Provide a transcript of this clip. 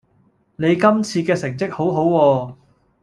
你今次嘅成績好好喎